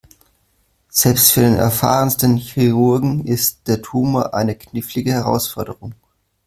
Selbst für den erfahrensten Chirurgen ist der Tumor eine knifflige Herausforderung.